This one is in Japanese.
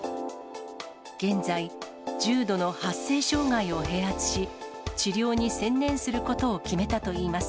現在、重度の発声障害を併発し、治療に専念することを決めたといいます。